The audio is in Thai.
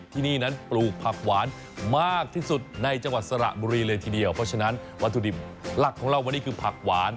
ที่นี่นั้นปลูกผักหวานมากที่สุดในจังหวัดสระบุรีเลยทีเดียวเพราะฉะนั้นวัตถุดิบหลักของเราวันนี้คือผักหวาน